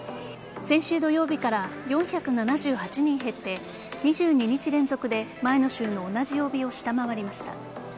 先週土曜日から４７８人減って２２日連続で前の週の同じ曜日を下回りました。